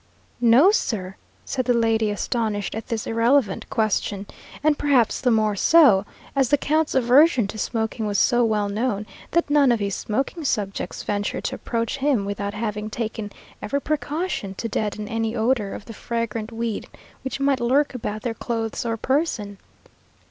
"No, sir," said the lady, astonished at this irrelevant question, and perhaps the more so, as the count's aversion to smoking was so well known, that none of his smoking subjects ventured to approach him without having taken every precaution to deaden any odour of the fragrant weed which might lurk about their clothes or person.